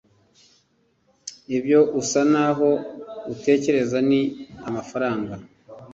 ibyo usa naho utekereza ni amafaranga